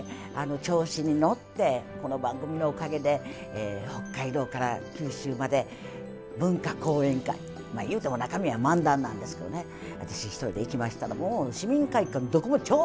調子に乗ってこの番組のおかげで北海道から九州まで文化講演会ゆうても中身は漫談なんですけどね私一人で行きましたらもう市民会館どこも超満員。